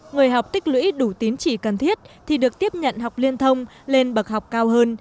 người học tích lũy đủ tín chỉ cần thiết thì được tiếp nhận học liên thông lên bậc học cao hơn